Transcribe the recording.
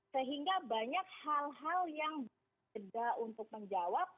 sehingga banyak hal hal yang tidak untuk menjawab